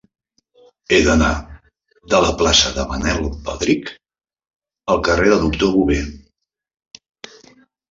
He d'anar de la plaça de Manuel Baldrich al carrer del Doctor Bové.